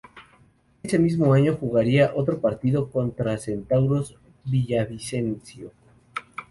Ese mismo año, jugaría otro partido contra Centauros Villavicencio.